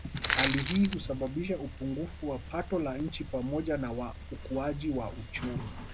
Hali hii husababisha upungufu wa pato la nchi pamoja na wa ukuaji wa uchumi